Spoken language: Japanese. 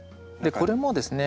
これもですね